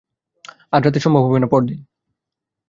আজ রাতে সম্ভব হবে না, পরদিন।